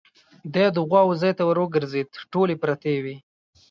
دی د غواوو ځای ته ور وګرځېد، ټولې پرتې وې.